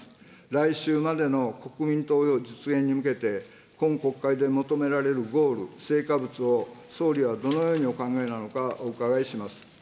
来秋までの国民投票実現に向けて、今国会で求められるゴール、成果物を総理はどのようにお考えなのか、お伺いします。